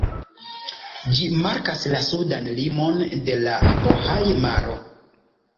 Ĝi markas la sudan limon de la Bohaj-maro.